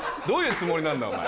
どういうつもりなんだ？